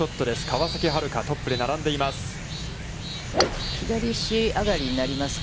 川崎春花、トップに並んでいます。